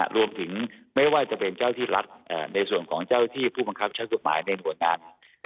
รวมถึงไม่ว่าจะเป็นเจ้าที่รัฐในส่วนของเจ้าที่ผู้บังคับใช้กฎหมายในหน่วยงาน